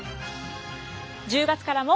１０月からも。